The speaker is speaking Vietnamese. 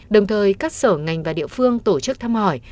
đồng thời các sở ngành và địa phương tổ chức thăm hỏi